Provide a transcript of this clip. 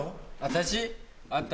私？